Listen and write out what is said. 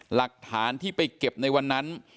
หลักฐานที่ไปเก็บในวันนั้น